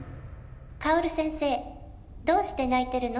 「薫先生どうして泣いてるの？」